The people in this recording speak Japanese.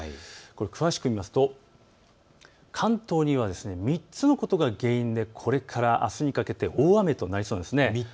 詳しく見ますと関東には３つのことが原因でこれからあすにかけて大雨となりそうです。